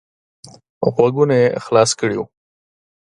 غوږونه یې خلاص کړي وو.